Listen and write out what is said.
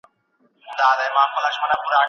وو روان کاږه واږه